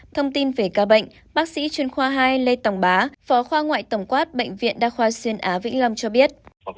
thông tin về ca bệnh bác sĩ chuyên khoa hai lê tổng bá phó khoa ngoại tổng quát bệnh viện đa khoa xuyên á vĩnh long cho biết